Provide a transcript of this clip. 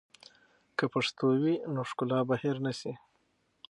که پښتو وي، نو ښکلا به هېر نه سي.